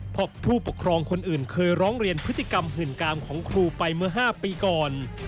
เพราะผู้ปกครองคนอื่นเคยร้องเรียนพฤติกรรมหื่นกามของครูไปเมื่อ๕ปีก่อน